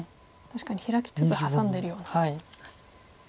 確かにヒラきつつハサんでるような。